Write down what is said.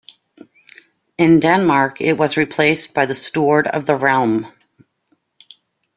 In Denmark it was replaced by the Steward of the Realm.